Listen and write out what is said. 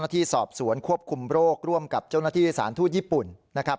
ที่สอบสวนควบคุมโรคร่วมกับเจ้าหน้าที่สารทูตญี่ปุ่นนะครับ